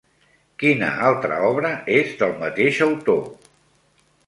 Quina altra obra és del mateix autor?